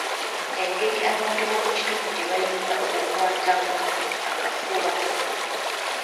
Engeri abantu b’omu kitundu gye bayinza okukwatamu akafuba.